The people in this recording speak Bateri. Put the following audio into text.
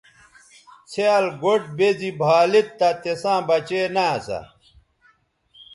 څھیال گوٹھ بے زی بھا لید تہ تِساں بچے نہ اسا۔